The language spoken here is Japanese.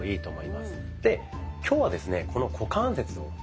で今日はですね